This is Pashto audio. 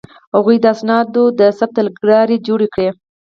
هغوی د اسنادو د ثبت تګلارې جوړې کړې.